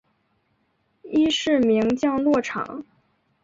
伊是名降落场。